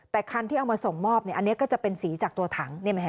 แต่คันที่เอามาส่งมอบอันนี้ก็จะเป็นสีจากตัวถัง